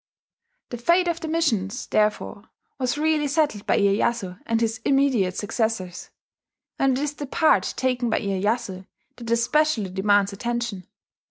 The fate of the missions, therefore, was really settled by Iyeyasu and his immediate successors; and it is the part taken by Iyeyasu that especially demands attention.